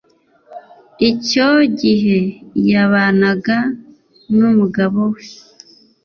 Icyo gihe yabanaga n umugabo we